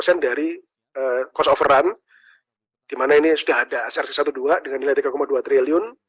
ini adalah cost of run dimana ini sudah ada asar c dua belas dengan nilai rp tiga dua triliun